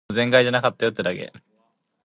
He called his older sister and her boyfriend.